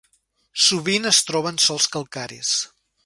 Sovint es troba en sòls calcaris.